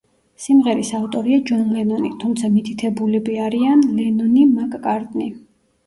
სიმღერის ავტორია ჯონ ლენონი, თუმცა მითითებულები არიან ლენონი–მაკ-კარტნი.